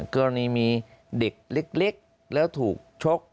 กรณีมีเด็กเล็กแล้วถูกชก